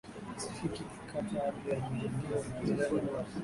Pasifiki ikatwaa ardhi ya Maindio wazalendo ikapokea